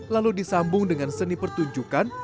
lalu disambung dengan seni pertunjukan